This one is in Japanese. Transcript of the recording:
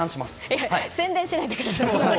いや、宣伝しないでください。